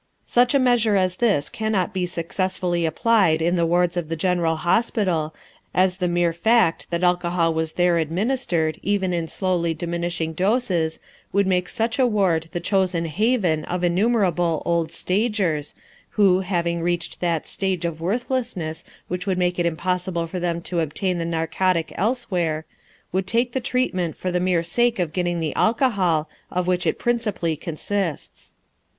Such a measure as this cannot be successfully applied in the wards of the general hospital, as the mere fact that alcohol was there administered, even in slowly diminishing doses, would make such a ward the chosen haven of innumerable "old stagers," who, having reached that stage of worthlessness which would make it impossible for them to obtain the narcotic elsewhere, would take the treatment for the mere sake of getting the alcohol of which it principally consists.